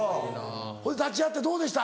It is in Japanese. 立ち会ってどうでした？